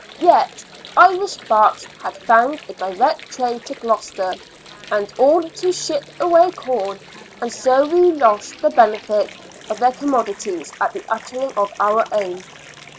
Yet " Irish barks had found a direct trade to Gloucester, and all to ship away corn, and so we lose the benefit of their commodities and the uttering of our own."